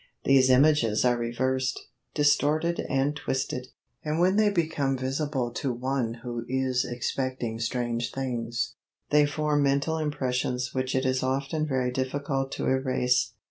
These images are reversed, distorted and twisted, and when they become visible to one who is expecting strange things, they form mental impressions which it is often very difficult to erase.